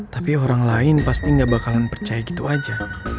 tapi orang lain pasti gak bakalan percaya gitu aja